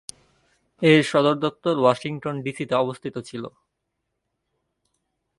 এর সদরদপ্তর ওয়াশিংটন ডিসিতে অবস্থিত ছিল।